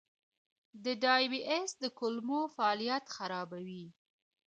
د ډایبی ایس د کولمو فعالیت خرابوي.